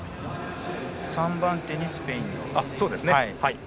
３番手にスペイン。